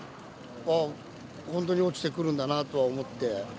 ああ、本当に落ちてくるんだなとは思って。